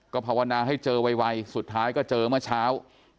ภาวนาให้เจอไวสุดท้ายก็เจอเมื่อเช้า